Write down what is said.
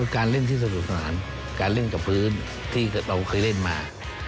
การเล่นที่สนุกสนานการเล่นกับพื้นที่เราเคยเล่นมา